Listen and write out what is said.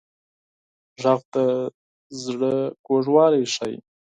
غږ د زړه کوږوالی ښيي